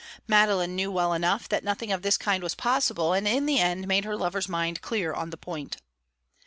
Madeline knew well enough that nothing of this kind was possible, and in the end made her lover's mind clear on the point.